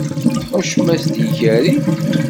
Tḥuccem-as-d i ikerri?